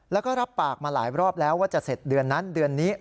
แล้วก็รับปากมาหลายรอบแล้วว่าจะเสร็จเดือนนั้นเดือนนี้